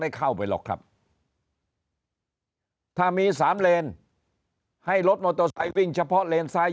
ได้เข้าไปหรอกครับถ้ามี๓เลนให้รถโมโตไซค์วิ่งเฉพาะเลนซ้าย